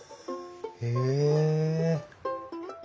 へえ。